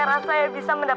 tap sugarep asal